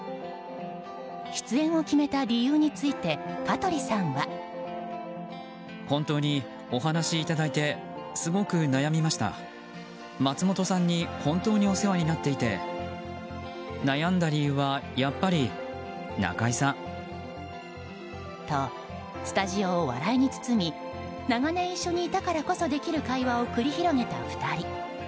出演を決めた理由について香取さんは。と、スタジオを笑いに包み長年一緒にいたからこそできる会話を繰り広げた２人。